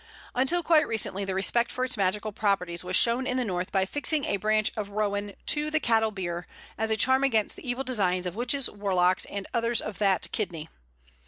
Until quite recently the respect for its magical properties was shown in the north by fixing a branch of Rowan to the cattle byre as a charm against the evil designs of witches, warlocks, and others of that kidney.